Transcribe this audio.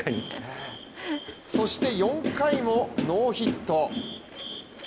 そして４回もノーヒット。